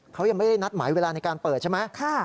เขายังไม่ได้นัดหมายเวลาในการเปิดใช่ไหม